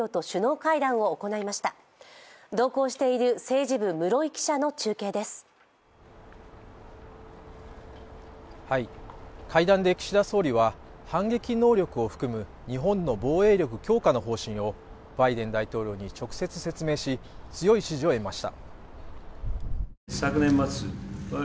会談で岸田総理は反撃能力を含む日本の防衛力強化の方針をバイデン大統領に直接説明し強い支持を得ました。